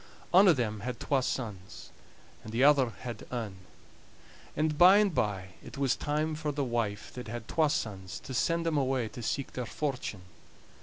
Ane of them had twa sons, and the other had ane; and by and by it was time for the wife that had twa sons to send them away to seeke their fortune.